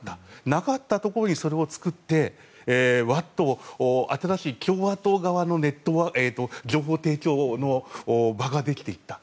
なかったところに作ってわっと新しい共和党側の情報提供の場ができていった。